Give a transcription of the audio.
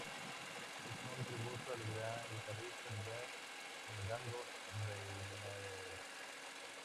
Es un tributo al gran guitarrista de Jazz, Django Reinhardt.